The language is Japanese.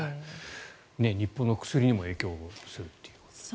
日本の薬にも影響するっていう。